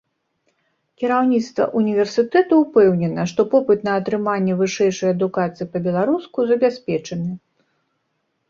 Кіраўніцтва ўніверсітэту ўпэўнена, што попыт на атрыманне вышэйшай адукацыі па-беларуску забяспечаны.